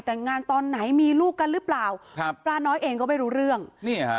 แต่งงานตอนไหนมีลูกกันหรือเปล่าครับปลาน้อยเองก็ไม่รู้เรื่องนี่ฮะ